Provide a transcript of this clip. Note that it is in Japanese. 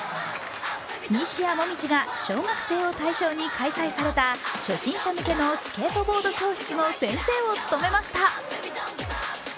西矢椛が小学生を対象に開催された初心者向けのスケートボード教室の先生を務めました。